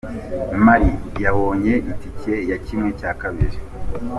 Mali yabonye itike ya kimwe cya kabiri